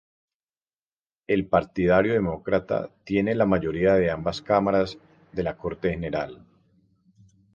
El Partido Demócrata tiene la mayoría en ambas cámaras de la Corte General.